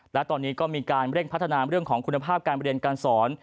และตอนนี้ก็มีการเร่งพัฒนาเรื่องของคุณภาพการเรียนการสอน